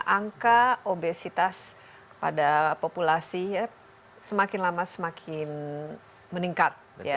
angka obesitas pada populasi semakin lama semakin meningkat